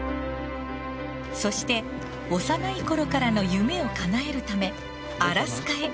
そして幼いころからの夢をかなえるためアラスカへ。